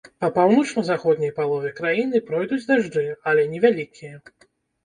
Па паўночна-заходняй палове краіны пройдуць дажджы, але невялікія.